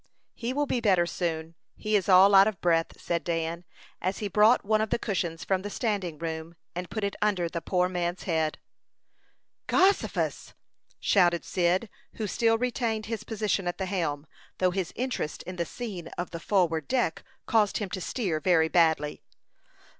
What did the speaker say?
"He will be better soon. He is all out of breath," said Dan, as he brought one of the cushions from the standing room and put it under the poor man's head. "Gossifus!" shouted Cyd, who still retained his position at the helm, though his interest in the scene of the forward deck caused him to steer very badly.